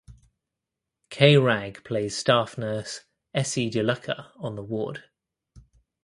Kaye Wragg plays staff nurse Essie Di Lucca on the ward.